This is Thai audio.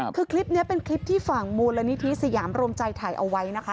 คือคลิปนี้เป็นคลิปที่ฝั่งมูลนิธิสยามรวมใจถ่ายเอาไว้นะคะ